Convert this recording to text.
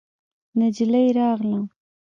نجلۍ راغله.